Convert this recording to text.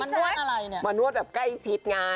นวดอะไรเนี่ยมานวดแบบใกล้ชิดไง